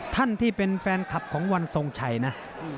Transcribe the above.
ท่านที่เป็นแฟนคลับของวันทรงชัยนะ